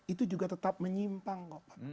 itu juga tetap menyimpang